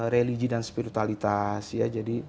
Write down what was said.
religi dan spiritualitas ya jadi